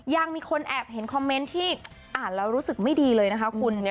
ยังมีคนแอบเห็นคอมเมนต์ที่อ่านแล้วรู้สึกไม่ดีเลยนะคะคุณ